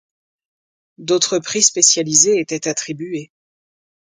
D'autres prix spécialisés étaient attribués.